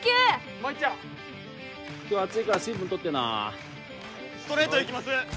もう一丁今日暑いから水分とってなストレートいきます